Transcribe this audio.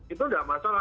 itu nggak masalah